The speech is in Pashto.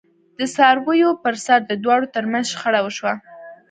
د څارویو پرسر د دواړو ترمنځ شخړه وشوه.